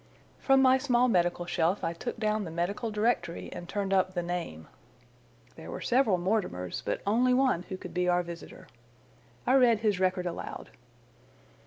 From my small medical shelf I took down the Medical Directory and turned up the name. There were several Mortimers, but only one who could be our visitor. I read his record aloud.